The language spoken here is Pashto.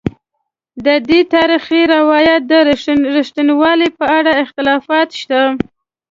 ددې تاریخي روایت د رښتینوالي په اړه اختلافات شته.